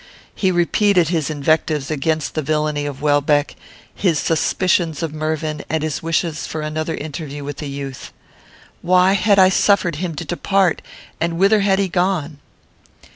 He repeated his invectives against the villany of Welbeck, his suspicions of Mervyn, and his wishes for another interview with the youth. Why had I suffered him to depart, and whither had he gone?